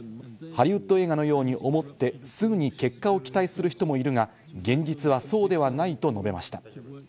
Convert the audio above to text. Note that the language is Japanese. ハリウッド映画のように思ってすぐに結果を期待する人もいるが、現実はそうではないと述べました。